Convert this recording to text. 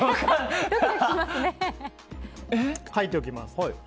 書いておきます。